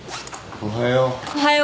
おはよう。